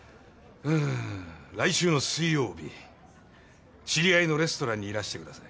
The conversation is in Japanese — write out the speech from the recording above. うん来週の水曜日知り合いのレストランにいらしてください。